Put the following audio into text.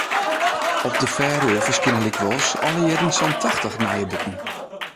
Op de Faeröer ferskine lykwols alle jierren sa’n tachtich nije boeken.